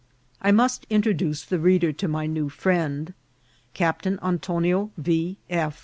I must introduce the reader to my new friend. Cap tain Antonio V.